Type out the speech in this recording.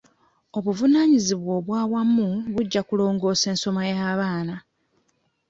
Obuvunaanyizibwa obw'awamu bujja kulongoosa ensoma y'abaana.